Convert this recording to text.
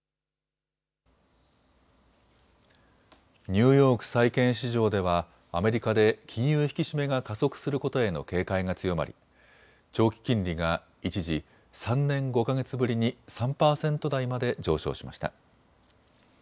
ニューヨーク債券市場ではアメリカで金融引き締めが加速することへの警戒が強まり長期金利が一時３年５か月ぶりに３％台まで上昇しました。